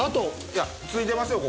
いやついてますよ